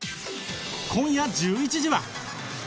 今夜１１時は。